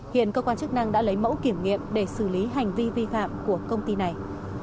hiện cơ quan chức năng đã lấy mẫu kiểm nghiệm để xử lý hành vi vi phạm của công ty này